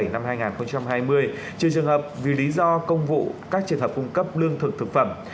năm hai nghìn hai mươi trừ trường hợp vì lý do công vụ các trường hợp cung cấp lương thực thực phẩm